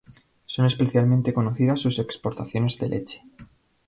Son especialmente conocidas sus explotaciones de leche.